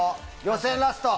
予選ラスト